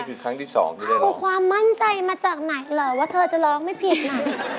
เอาความมั่นใจมาจากไหนเหรอว่าเธอจะร้องไม่ผิดน่ะ